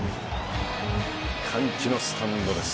歓喜のスタンドです。